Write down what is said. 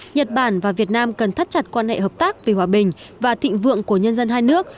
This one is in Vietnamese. nhật bản và việt nam cần thắt chặt quan hệ hợp tác vì hòa bình và thịnh vượng của nhân dân hai nước